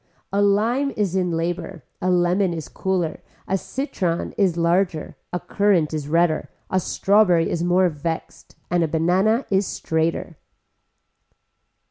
A lime is in labor, a lemon is cooler, a citron is larger, a currant is redder, a strawberry is more vexed, a banana is straighter.